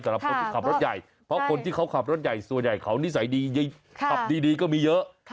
แต่ละคนที่ขับรถใหญ่